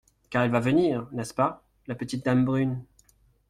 Car elle va venir, n’est-ce pas, la petite dame brune ?